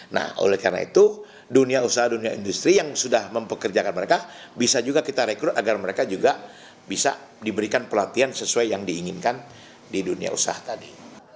nah oleh karena itu dunia usaha dunia industri yang sudah mempekerjakan mereka bisa juga kita rekrut agar mereka juga bisa diberikan pelatihan sesuai yang diinginkan di dunia usaha tadi